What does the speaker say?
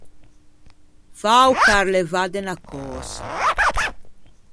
Fâ o carlevâ de unna cösa.